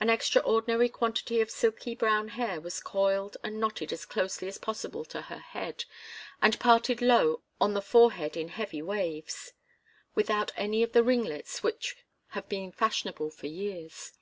An extraordinary quantity of silky brown hair was coiled and knotted as closely as possible to her head, and parted low on the forehead in heavy waves, without any of the ringlets which have been fashionable for years.